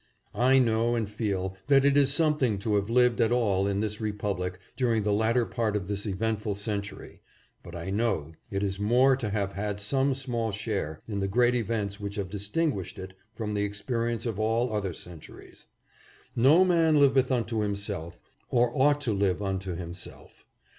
I know and feel that it is something to have lived at all in this Republic during the latter part of this eventful century, but I know it is more to have had some small share in the great events which have distinguished it from the experience of all other centuries. No man liveth unto himself, or ought to live unto himself.